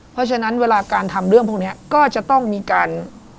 เพราะฉะนั้นเวลาการทำเรื่องพวกนี้ก็จะต้องมีการ